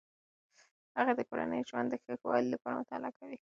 هغې د کورني ژوند د ښه والي لپاره مطالعه کوي.